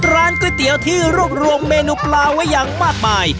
ร้านก๋วยเตี๋ยวที่รวบรวมเมนูปลาไว้อย่างมากมาย